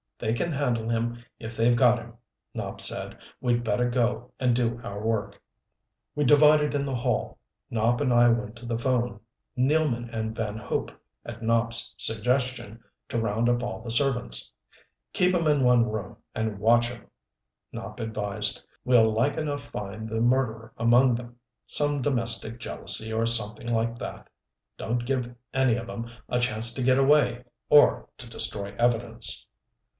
"They can handle him if they've got him," Nopp said. "We'd better go and do our work." We divided in the hall. Nopp and I went to the phone, Nealman and Van Hope, at Nopp's suggestion, to round up all the servants. "Keep 'em in one room, and watch 'em," Nopp advised. "We'll like enough find the murderer among them some domestic jealousy, or something like that. Don't give any of 'em a chance to get away or to destroy evidence."